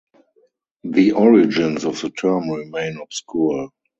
The origins of the term remain obscure.